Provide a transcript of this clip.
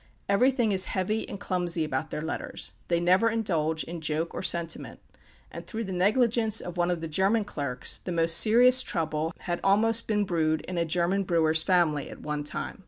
Everything is heavy and clumsy about their letters; they never indulge in joke or sentiment; and through the negligence of one of the German clerks, the most serious trouble had almost been brewed in a German brewer's family, at one time.